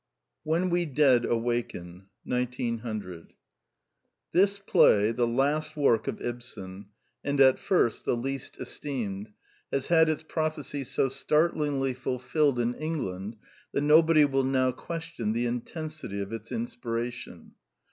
When We Dead Awaken 1900 This play, the last work of Ibsen, and at first the least esteemed, has had its prophecy so start lingly fulfilled in England that nobody will now question the intensity of its inspiration.